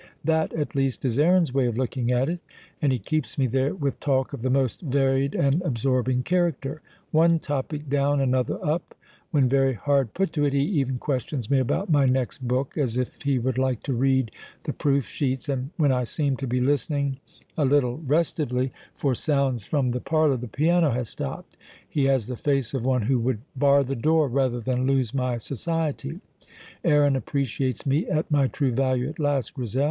That, at least, is Aaron's way of looking at it, and he keeps me there with talk of the most varied and absorbing character; one topic down, another up; when very hard put to it, he even questions me about my next book, as if he would like to read the proof sheets, and when I seem to be listening, a little restively, for sounds from the parlour (the piano has stopped), he has the face of one who would bar the door rather than lose my society. Aaron appreciates me at my true value at last, Grizel.